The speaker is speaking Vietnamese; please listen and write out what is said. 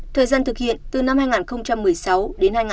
thời gian thực hiện từ năm hai nghìn một mươi sáu đến hai nghìn hai mươi